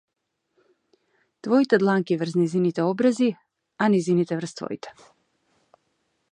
Твоите дланки врз нејзините образи, а нејзините врз твоите.